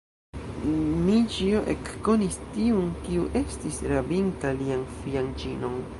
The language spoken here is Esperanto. Dmiĉjo ekkonis tiun, kiu estis rabinta lian fianĉinon.